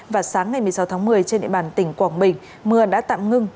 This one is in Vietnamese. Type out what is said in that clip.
và sáng ngày một mươi sáu tháng một mươi trên địa bàn tỉnh quảng bình mưa đã tạm ngưng